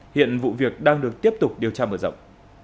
hiện vụ việc đang được tiếp tục điều tra mở rộng